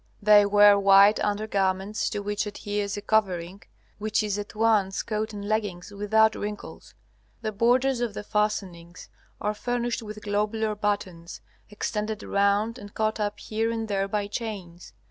They wear white under garments to which adheres a covering, which is at once coat and legging, without wrinkles. The borders of the fastenings are furnished with globular buttons, extended round and caught up here and there by chains.